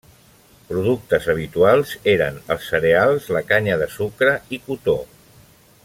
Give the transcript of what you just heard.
Productes habituals eren els cereals, la canya de sucre i cotó.